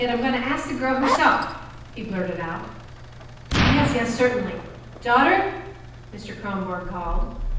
I'm going to ask the girl herself," he blurted out. "Yes, yes, certainly. Daughter," Mr. Kronborg called.